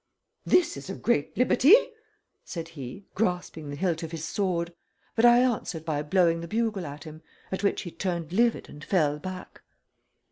"This is a great liberty," said he, grasping the hilt of his sword; but I answered by blowing the bugle at him, at which he turned livid and fell back.